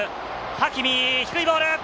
ハキミ、低いボール。